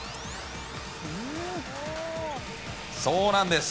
そうなんです。